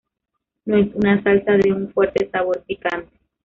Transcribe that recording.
No es una salsa de un fuerte sabor picante.